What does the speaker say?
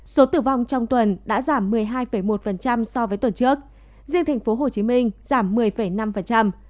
số tử vong trong tuần đã giảm một mươi hai một so với tuần trước riêng tp hcm giảm một mươi năm